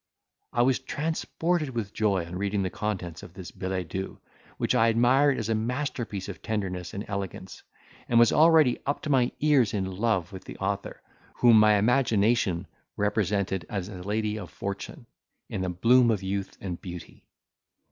I was transported with joy on reading the contents of this billet doux, which I admired as a masterpiece of tenderness and elegance, and was already up to my ears in love with the author, whom my imagination represented as a lady of fortune, in the bloom of youth and beauty.